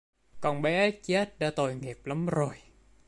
con bé chết đã tội nghiệp lắm rồi